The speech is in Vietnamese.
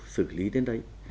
xử lý đến đấy